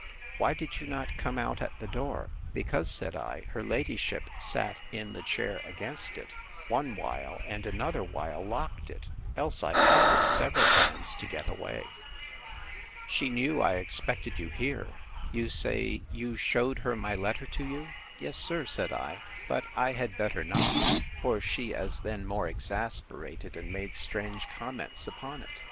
Why did you not come out at the door? Because, said I, her ladyship sat in the chair against it, one while, and another while locked it; else I offered several times to get away. She knew I expected you here: You say, you shewed her my letter to you? Yes, sir, said I; but I had better not; for she as then more exasperated, and made strange comments upon it.